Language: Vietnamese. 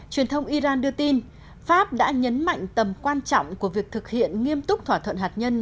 truyền thông iran đưa tin pháp đã nhấn mạnh tầm quan trọng của việc thực hiện nghiêm túc thỏa thuận hạt nhân